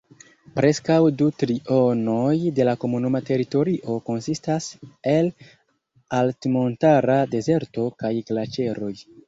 Preskaŭ du trionoj de la komunuma teritorio konsistas el altmontara dezerto kaj glaĉeroj.